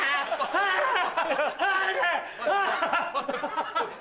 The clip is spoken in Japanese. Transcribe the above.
ああ！